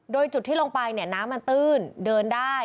โดยจุดที่ลงไปน้ำมาตื้นเดินได้